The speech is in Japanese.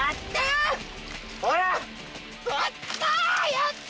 やった！